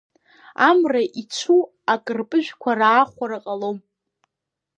Амра ицәу акарпыжәқәа раахәара ҟалом.